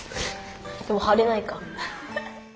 でもはれないか。